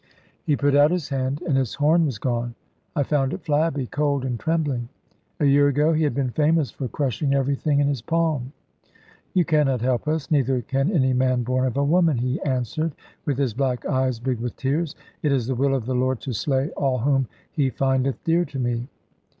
He put out his hand, and its horn was gone. I found it flabby, cold, and trembling. A year ago he had been famous for crushing everything in his palm. "You cannot help us; neither can any man born of a woman," he answered, with his black eyes big with tears: "it is the will of the Lord to slay all whom He findeth dear to me."